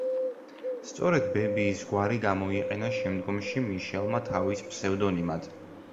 სწორედ ბებიის გვარი გამოიყენა შემდგომში მიშელმა თავის ფსევდონიმად.